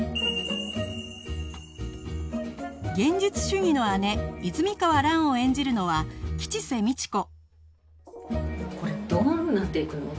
現実主義の姉泉川蘭を演じるのは吉瀬美智子